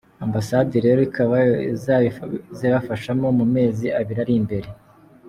Ambasade rero ikaba izabibafashamo mu mezi ari imbere.